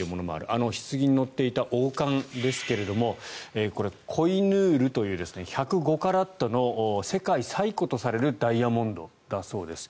あのひつぎに載っていた王冠ですがこれ、コイヌールという１０５カラットの世界最古とされるダイヤモンドだそうです。